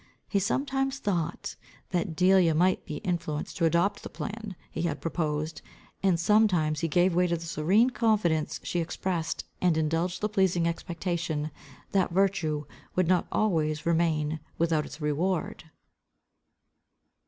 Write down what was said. He sometimes thought, that Delia might yet be induced to adopt the plan he had proposed; and sometimes he gave way to the serene confidence she expressed, and indulged the pleasing expectation, that virtue would not always remain without its reward.